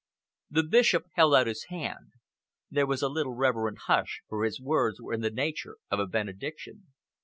The Bishop held out his hand. There was a little reverent hush, for his words were in the nature of a benediction.